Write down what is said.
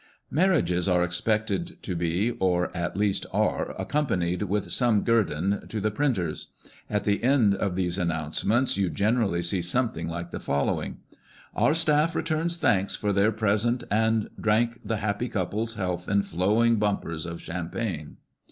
Marriages are expected to be, or, at least, are, accompanied with some guerdon to the printers. At the end of these announcements you generally see something like the following, " Our staff return thanks for their present, and drank the happy couple's health in flowing bumpers of champagne."